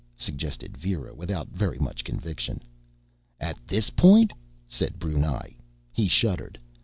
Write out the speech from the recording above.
suggested Vera, without very much conviction. "At this point?" said Brunei. He shuddered.